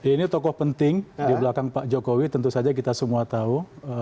ini tokoh penting di belakang pak jokowi tentu saja kita semua tahu